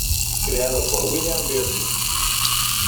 Creado por William Birkin.